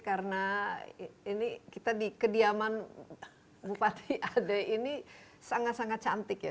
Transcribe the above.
karena ini kita di kediaman bupati ade ini sangat sangat cantik ya